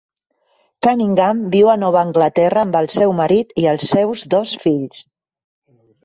Cunningham viu a Nova Anglaterra amb el seu marit i els seus dos fills.